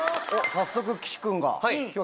早速岸君が。